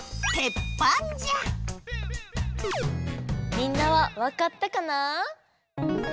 みんなはわかったかな？